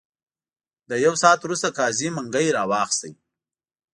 له یو ساعت وروسته قاضي منګی را واخیست.